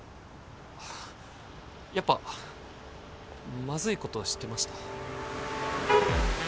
やっぱまずいことしてました？